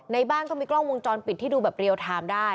ในบ้านก็มีกล้องวงจรปิดที่ดูแบบเรียลไทม์ได้